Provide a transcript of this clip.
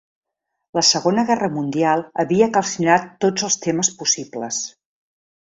La Segona Guerra Mundial havia calcinat tots els temes possibles.